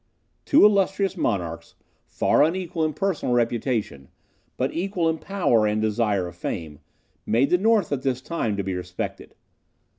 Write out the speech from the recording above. Two illustrious monarchs, far unequal in personal reputation, but equal in power and desire of fame, made the North at this time to be respected.